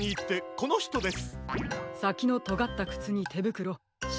このひとです。